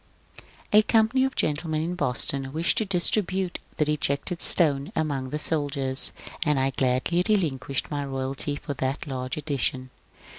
A company of gentlemen in Boston wished to distribute '^ The Rejected Stone " among the soldiers, and I gladly re linquished my royalty for that large edition.